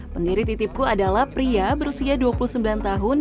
pendiri titipku adalah pria berusia dua puluh sembilan tahun